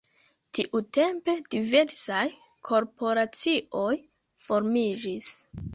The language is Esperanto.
Tiutempe diversaj korporacioj formiĝis.